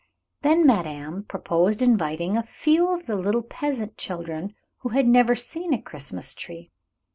Then madame proposed inviting a few of the little peasant children who had never seen a Christmas tree.